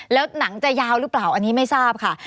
แล้วหนังจะยาวหรือเปล่าอันนี้ไม่ทราบค่ะ